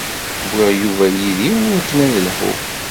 Wwiɣ Yuba yid-i i wakken ad nelḥu.